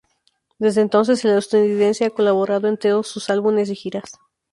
Desde entonces, el estadounidense ha colaborado en todos sus álbumes y giras.